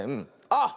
あっ！